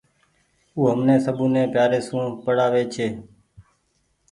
او همني سبوني پيآري سون پڙآوي ڇي۔